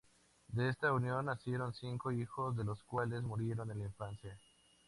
De esta unión nacieron cinco hijos, dos de los cuales murieron en la infancia.